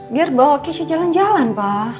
biar bawa keisha jalan jalan pa